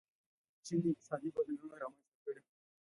چین اقتصادي بدلونونه رامنځته کړي.